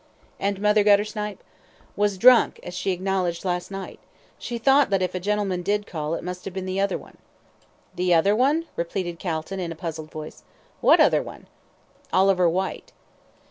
"And Mother Guttersnipe?" "Was drunk, as she acknowledged last night. She thought that if a gentleman did call it must have been the other one." "The other one?" repeated Calton, in a puzzled voice. "What other one?" "Oliver Whyte."